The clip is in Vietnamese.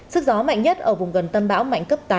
sức gió mạnh nhất ở vùng gần tâm bão mạnh cấp tám